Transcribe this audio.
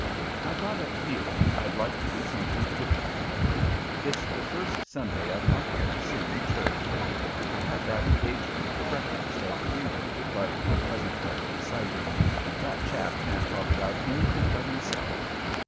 I got up feeling I'd like to do something different today. It's the first Sunday I've not had to sing in church. I had that engagement for breakfast at the Brevoort, but it wasn't very exciting. That chap can't talk about anything but himself."